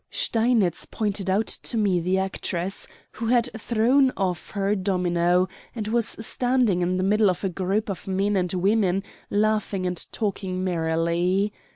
Steinitz pointed out to me the actress, who had thrown off her domino, and was standing in the middle of a group of men and women laughing and talking merrily.